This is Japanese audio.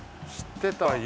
知ってた。